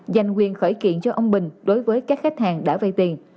dành quyền khởi kiện cho ông bình đối với các khách hàng đã vay tiền